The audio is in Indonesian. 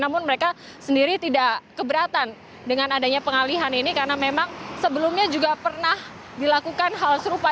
namun mereka sendiri tidak keberatan dengan adanya pengalihan ini karena memang sebelumnya juga pernah dilakukan hal serupa